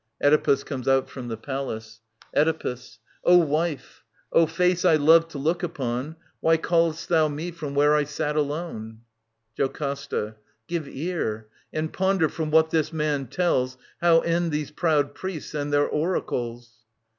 [Oedipus comes out from the Palace. Oedipus. wife, O face I love to look upon. Why call'st thou me from where I sat alone ? JOCASTA. Give ear, and ponder from what this man tells How end these proud priests and their oracles.